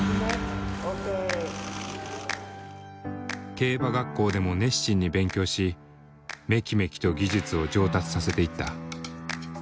競馬学校でも熱心に勉強しめきめきと技術を上達させていった。